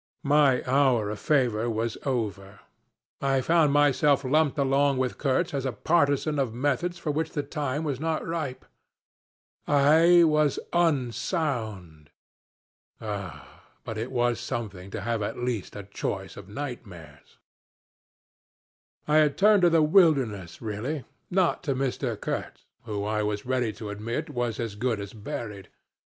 My hour of favor was over; I found myself lumped along with Kurtz as a partisan of methods for which the time was not ripe: I was unsound! Ah! but it was something to have at least a choice of nightmares. "I had turned to the wilderness really, not to Mr. Kurtz, who, I was ready to admit, was as good as buried.